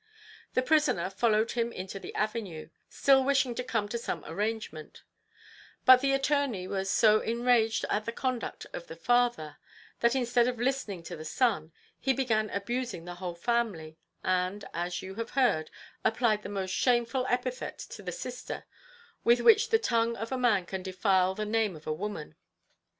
The prisoner followed him into the avenue still wishing to come to some arrangement; but the attorney was so enraged at the conduct of the father, that instead of listening to the son, he began abusing the whole family, and, as you have heard, applied the most shameful epithet to the sister with which the tongue of a man can defile the name of a woman.